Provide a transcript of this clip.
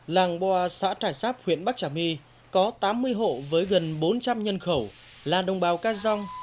làng boa xã trà sáp huyện bắc trà my có tám mươi hộ với gần bốn trăm linh nhân khẩu là đồng bào ca dông